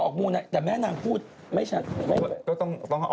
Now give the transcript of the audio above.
ก็แม่นางเป็นคนเข้าทรงไงเถอะ